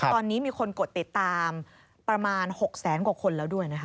ตอนนี้มีคนกดติดตามประมาณ๖แสนกว่าคนแล้วด้วยนะคะ